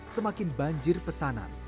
semakin banjir pesanan